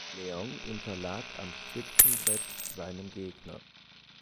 Leong unterlag am Spitzenbrett seinem Gegner.